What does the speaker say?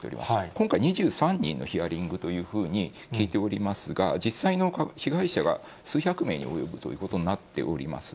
今回、２３人のヒアリングというふうに聞いておりますが、実際の被害者が数百名に及ぶということになっております。